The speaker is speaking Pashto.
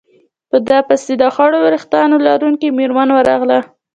په ده پسې د خړو ورېښتانو لرونکې مېرمن ورغله.